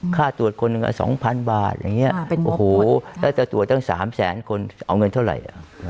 ค่าตรวจคนหนึ่งก็๒๐๐๐บาทถ้าตรวจตั้ง๓๐๐คนเอาเงินเท่าไหร่